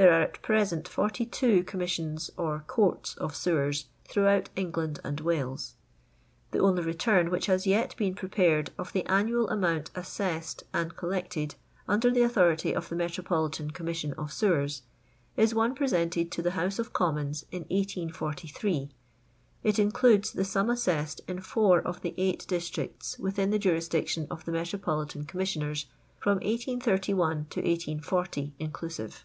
There are at present 42 Commissions or Courts of Sewers throughout England and Wales. The only return which has yet been prepared of the annual amount assessed and collected under the authority of the Metropolitan Commission of Sewers, is one presented to the House of Commons in 1843. It includes the sum assessed in four of the eight districts within the jurisdiction of the Metropolitan Commissioners from 1831 to 1840 inclusive.